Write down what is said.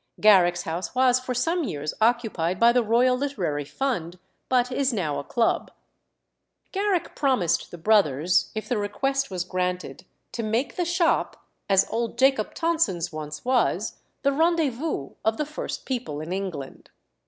Garrick's house was for some years occupied by the Royal Literary Fund, but is now a Club. Garrick promised the brothers, if the request was granted, to make the shop, as old Jacob Tonson's once was, the rendezvous of the first people in England.